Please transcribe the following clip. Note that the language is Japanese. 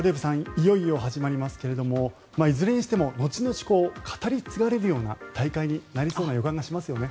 いよいよ始まりますけれどもいずれにしても後々に語り継がれるような大会になりそうな予感がしますよね。